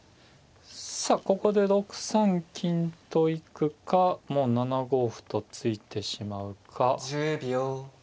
さあここで６三金と行くかもう７五歩と突いてしまうか。